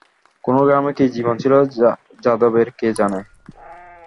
কোন গ্রামে কী জীবন ছিল যাদবের কে জানে?